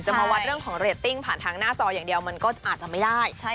มาวัดเรื่องของเรตติ้งผ่านทางหน้าจออย่างเดียวมันก็อาจจะไม่ได้